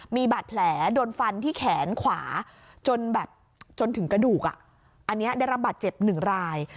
มีบาดแผลโดนฟันที่แขนขวาจนแบบจนถึงกระดูกอันนี้ได้รับบาดเจ็บหนึ่งราย